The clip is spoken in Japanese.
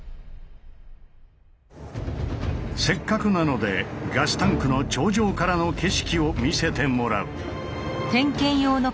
せっかくなのでガスタンクの頂上からの景色を見せてもらう。